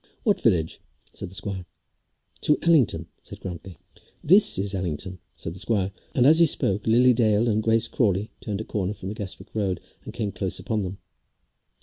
"What village?" said the squire. "To Allington," said Grantly. "This is Allington," said the squire; and as he spoke, Lily Dale and Grace Crawley turned a corner from the Guestwick road and came close upon them.